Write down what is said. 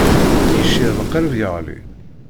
Yecceḍ qrib yeɣli.